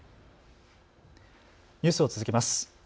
ニュースを続けます。